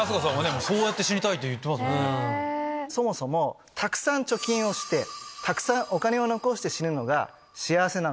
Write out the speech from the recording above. そもそもたくさん貯金をしてたくさんお金を残して死ぬのが幸せなのか？